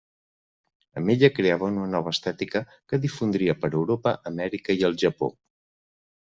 Amb ella creava una nova estètica que difondria per Europa, Amèrica i el Japó.